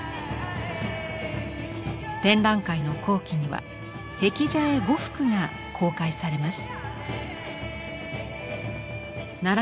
展覧会の後期には「辟邪絵」５幅が公開されます。